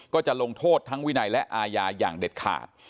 ก็จะลงโทษทั้งวินัยและอาญาอย่างเด็ดขาด